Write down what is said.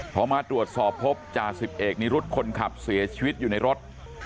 พอมาตรวจสอบพบจ่าสิบเอกนิรุธคนขับเสียชีวิตอยู่ในรถ